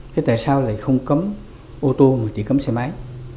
thế tại sao lại không cấm ô tô mà chỉ cấm xe máy